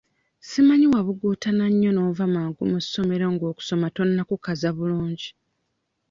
Simanyi wabuguutana nnyo n'ova mangu mu ssomero ng'okusoma tonnakukaza bulungi?